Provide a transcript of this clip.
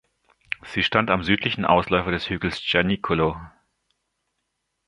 Sie stand am südlichen Ausläufer des Hügels Gianicolo.